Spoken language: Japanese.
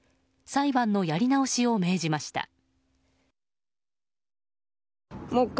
裁判のやり直しを命じました。